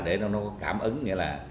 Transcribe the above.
để nó có cảm ứng nghĩa là